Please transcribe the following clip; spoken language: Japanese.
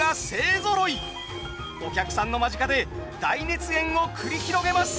お客さんの間近で大熱演を繰り広げます。